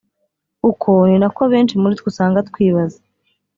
uko ni nako benshi muri twe usanga twibaza